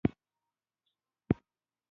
دښته د صوفیانو د فکر ځای دی.